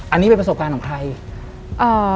อันนี้เป็นประสบการณ์ของใครเอ่อ